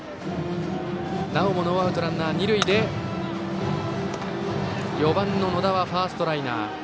なおもノーアウトランナー、二塁で４番の野田はファーストライナー。